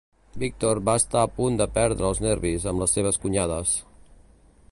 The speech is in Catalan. Víctor va estar a punt de perdre els nervis amb les seves cunyades.